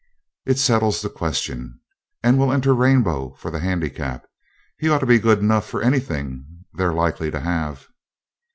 It settles the question. And we'll enter Rainbow for the handicap. He ought to be good enough for anything they're likely to have.'